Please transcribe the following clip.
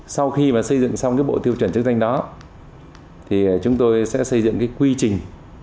sau khi xây dựng xong bộ tiêu chuẩn chức danh đó chúng tôi sẽ xây dựng quy trình